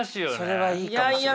それはいいかもしれない。